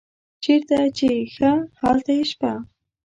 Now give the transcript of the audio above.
چیرته چې ښه هلته یې شپه.